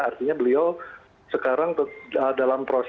artinya beliau sekarang dalam proses